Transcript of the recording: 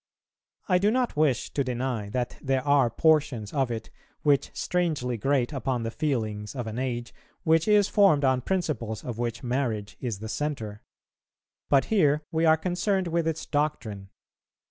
I do not wish to deny that there are portions of it which strangely grate upon the feelings of an age, which is formed on principles of which marriage is the centre. But here we are concerned with its doctrine.